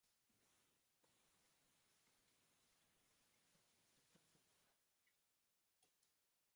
Goiko aldekoa estalki nagusiaren luzapen-zatiaz estaltzen da.